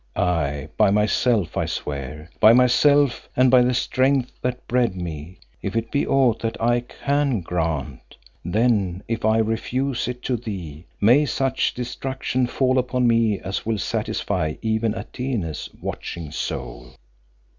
"Aye, by myself I swear; by myself and by the Strength that bred me. If it be ought that I can grant then if I refuse it to thee, may such destruction fall upon me as will satisfy even Atene's watching soul."